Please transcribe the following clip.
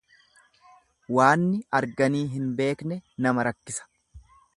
Waanni arganii hin beekne nama rakkisa.